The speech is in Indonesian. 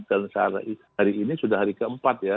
dan hari ini sudah hari keempat ya